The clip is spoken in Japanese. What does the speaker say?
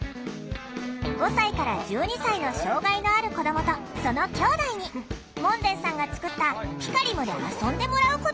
５歳から１２歳の障害のある子どもとそのきょうだいに門前さんが作ったピカリムで遊んでもらうことに。